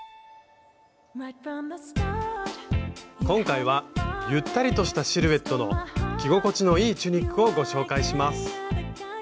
今回はゆったりとしたシルエットの着心地のいいチュニックをご紹介します。